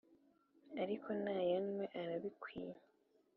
Ariko nayanywe arabikwiye